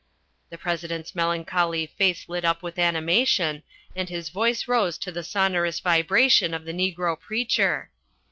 The President's melancholy face lit up with animation and his voice rose to the sonorous vibration of the negro preacher.